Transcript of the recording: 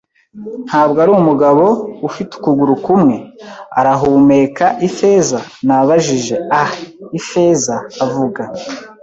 “Ntabwo ari umugabo - ufite ukuguru kumwe?” arahumeka. “Ifeza?” Nabajije. “Ah, Ifeza!” avuga.